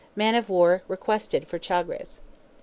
Man of war requested for Chagres.